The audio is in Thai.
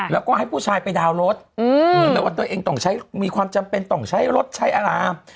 แล้วก็ให้ผู้ชายไปดาวน์รถเหมือนแบบว่าตัวเองต้องใช้มีความจำเป็นต้องใช้รถใช้อาราม